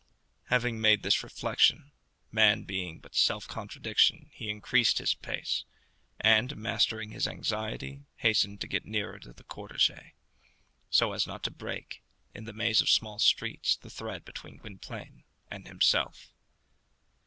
Having made this reflection, man being but self contradiction, he increased his pace, and, mastering his anxiety, hastened to get nearer the cortège, so as not to break, in the maze of small streets, the thread between Gwynplaine and himself.